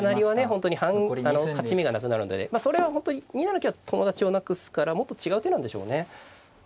本当に勝ち目がなくなるのでそれは本当に２七香は友達をなくすからもっと違う手なんでしょうね。